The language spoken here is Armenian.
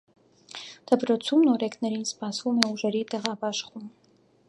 Դպրոցում նորեկներին սպասվում է ուժերի տեղաբախշում։